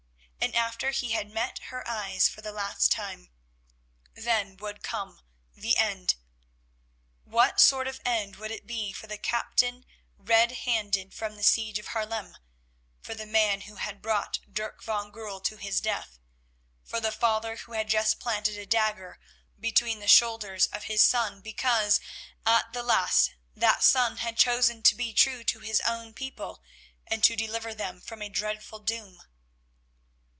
... And after he had met her eyes for the last time, then would come the end. What sort of an end would it be for the captain red handed from the siege of Haarlem, for the man who had brought Dirk van Goorl to his death, for the father who had just planted a dagger between the shoulders of his son because, at the last, that son had chosen to be true to his own people, and to deliver them from a dreadful doom?